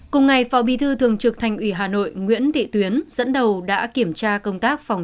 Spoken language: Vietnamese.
cùng ngày phó bí thư thường trực thành ủy hà nội nguyễn thị tuyến dẫn đầu đã kiểm tra công tác phòng